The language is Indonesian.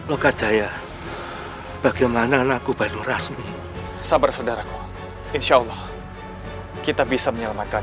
oh kak jaya bagaimana anakku bandung rasmi sabar saudaraku insyaallah kita bisa menyelamatkan